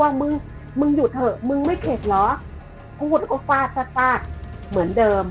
ว่ามึงมึงหยุดเถอะมึงไม่เข็ดหรอพูดก็ฟาดซะฟาดเหมือนเดิม